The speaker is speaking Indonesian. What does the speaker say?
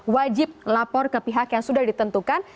wajib lapor ke pihak yang sudah ditentukan